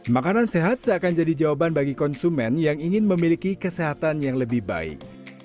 makanan sehat seakan jadi jawaban bagi konsumen yang ingin memiliki kesehatan yang lebih baik